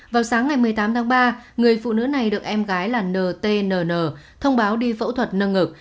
vào sáng ngày một mươi tám tháng ba người phụ nữ này được em gái là ntn thông báo đi phẫu thuật nâng ngực